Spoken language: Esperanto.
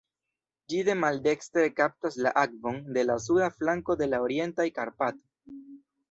Ĝi de maldekstre kaptas la akvon de la suda flanko de la Orientaj Karpatoj.